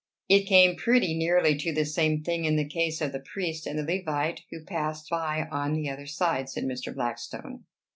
It came pretty nearly to the same thing in the case of the priest and the Levite, who passed by on the other side," said Mr. Blackstone.